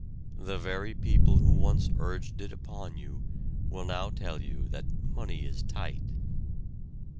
the very people who once urged it upon you will now tell you that "money is tight!"